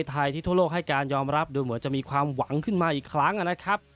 ไทยที่ทั่วโลกให้การยอมรับดูเหมือนจะมีความหวังขึ้นมาอีกครั้งนะครับ